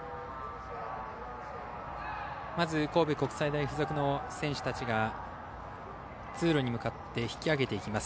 まず神戸国際大付属の選手たちが通路に向かって引き揚げていきます。